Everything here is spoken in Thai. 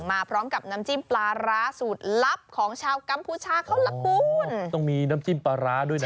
มาพร้อมกับน้ำจิ้มปลาร้าสูตรลับของชาวกัมพูชาเขาล่ะคุณต้องมีน้ำจิ้มปลาร้าด้วยนะ